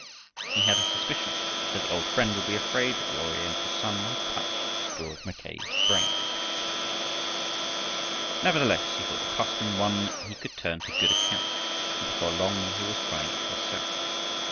He had a suspicion that the old friend would be afraid that the Oriental sun had touched George Mackay's brain. Nevertheless he thought the custom one he could turn to good account, and before long he was trying it himself.